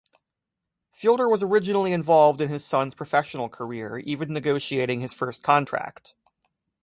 Fielder was originally involved in his son's professional career, even negotiating his first contract.